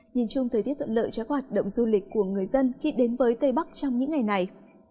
nhìn chung thời tiết thuận lợi cho các hoạt động du lịch của người dân khi đến với tây bắc trong những ngày này